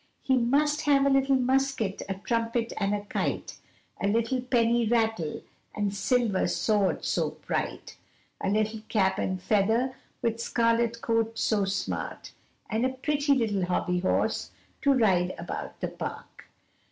He must have a little musket, a trumpet, and a kite, A little penny rattle and silver sword so bright, A little cap and feather with scarlet coat so smart, And a pretty little hobby horse to ride about the park.